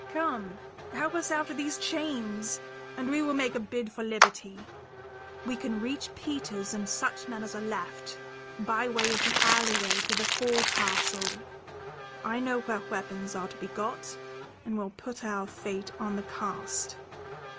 Come, help us out of these chains, and we will make a bid for liberty. We can reach Peters and such men as are left, by way of the alleyway to the forecastle; I know where weapons are to be got, and we'll put our fate on the cast.